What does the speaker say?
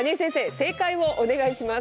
正解をお願いします。